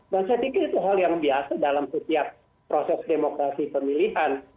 dan saya pikir itu hal yang biasa dalam setiap proses demokrasi pemilihan